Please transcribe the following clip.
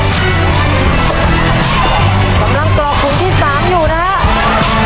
กำลังต่อคุณที่สามอยู่นะฮะ